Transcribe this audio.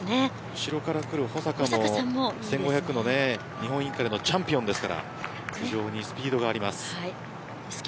後ろから来る保坂さんも日本インカレの１５００のチャンピオンですから非常にスピードがあります。